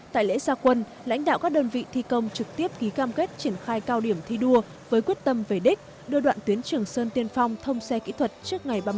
tại lễ xa quân lãnh đạo các đơn vị thi công trực tiếp ký cam kết triển khai cao điểm thi đua với quyết tâm về đích đưa đoạn tuyến trường sơn tiên phong thông xe kỹ thuật trước ngày ba mươi một tháng một mươi hai năm hai nghìn một mươi sáu